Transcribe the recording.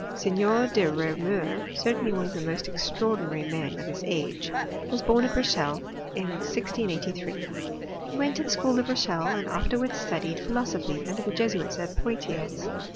Seigneur de Reau mur, certainly one of the most extraordinary men of his age, was born at Rochelle, in 1683. He went to the school of Rochelle, and afterwards studied philosophy under the Jesuits at Poitiers.